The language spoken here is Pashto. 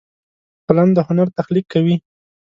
قلم د هنر تخلیق کوي